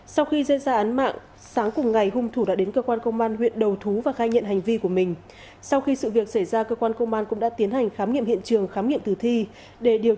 sau khi dây ra án mạng sáng cùng ngày hung thủ đã đến cơ quan công an huyện đầu thú và khai nhận hành vi của mình sau khi sự việc xảy ra cơ quan công an cũng đã tiến hành khám nghiệm hiện trường khám nghiệm tử thi để điều tra làm rõ nguyên nhân tử vong của nạn nhân